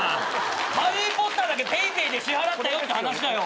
『ハリー・ポッター』だけＰａｙＰａｙで支払ったよって話だよ。